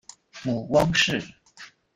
母汪氏。